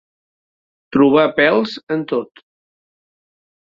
Trobar pèls en tot.